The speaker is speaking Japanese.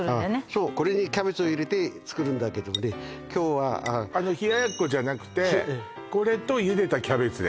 そうこれにキャベツを入れて作るんだけどもね今日は冷奴じゃなくてこれと茹でたキャベツで？